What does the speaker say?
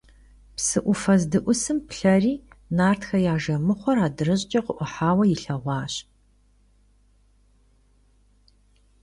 Psıj 'ufe zdı'usım, plheri, nartxe ya jjemıxhuer adrış'ç'e khı'uhaue yilheğuaş.